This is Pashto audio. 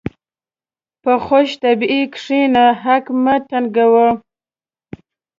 په خوشطبعي کښېنه، خلق مه تنګوه.